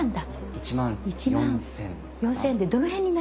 １万４，０００かな。